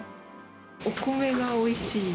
お米がおいしい。